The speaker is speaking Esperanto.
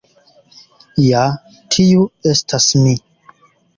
Ja, tiu estas mi.